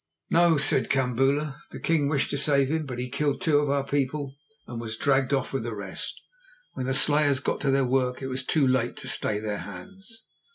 "No," said Kambula. "The king wished to save him, but he killed two of our people and was dragged off with the rest. When the slayers got to their work it was too late to stay their hands."